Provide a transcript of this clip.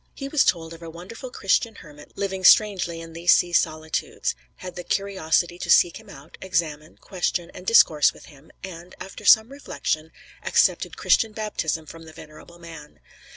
He was told of a wonderful Christian hermit living strangely in these sea solitudes; had the curiosity to seek him out, examine, question, and discourse with him; and, after some reflection, accepted Christian baptism from the venerable man.